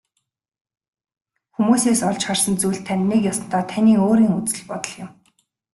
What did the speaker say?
Хүмүүсээс олж харсан зүйл тань нэг ёсондоо таны өөрийн үзэл бодол юм.